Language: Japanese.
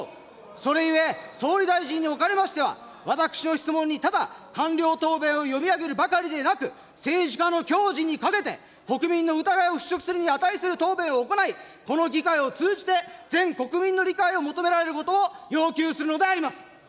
それゆえ、総理大臣におかれましては、私の質問にただ、官僚答弁を読み上げるばかりではなく、政治家のきょうじにかけて、国民の疑いを払拭するに値する答弁を行い、この議会を通じて、全国民の理解を求められることを要求するのであります。